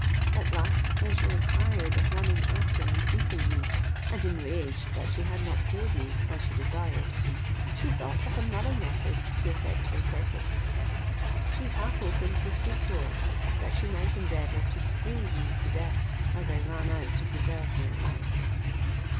At last, when she was tired of running after and beating me, and enraged that she had not killed me, as she desired, she thought of another method to effect her purpose: she half opened the street door, that she might endeavour to squeeze me to death, as I ran out to preserve my life.